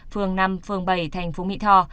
phường năm phường bảy thành phố mỹ tho